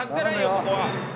ここは。